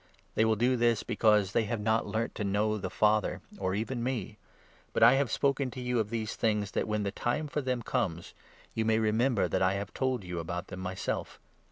They will do this, because they 3 have not learnt to know the Father, or even me. But I have 4 spoken to you of these things that, when the time for them comes, you may remember that I told you about them myself.